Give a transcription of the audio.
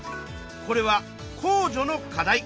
これは公助の課題。